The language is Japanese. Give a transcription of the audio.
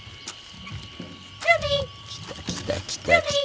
来た来た来た来た！